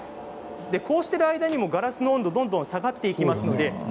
こうしている間にもガラスの温度はどんどん下がっていきます。